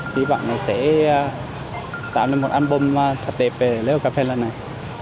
hy vọng là sẽ tạo nên một album thật đẹp về lễ hội cà phê lần này